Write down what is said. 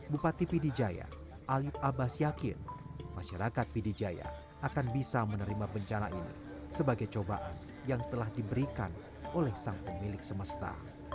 bupati pidijaya alif abbas yakin masyarakat pidijaya akan bisa menerima bencana ini sebagai cobaan yang telah diberikan oleh sang pemilik semesta